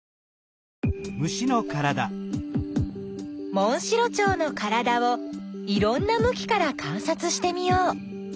モンシロチョウのからだをいろんなむきからかんさつしてみよう。